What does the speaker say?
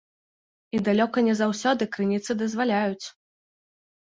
І далёка не заўсёды крыніцы дазваляюць.